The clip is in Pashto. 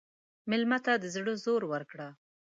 مېلمه ته د زړه زور ورکړه.